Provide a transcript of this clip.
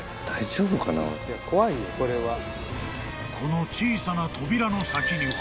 ［この小さな扉の先には］